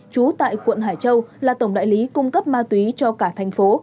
trú tại quận hải châu là tổng đại lý cung cấp ma túy cho cả thành phố